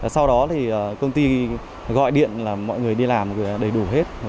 sau đó thì công ty gọi điện là mọi người đi làm đầy đủ hết